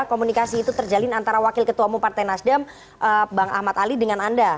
komunikasi itu terjalin antara wakil ketua umum partai nasdem bang ahmad ali dengan anda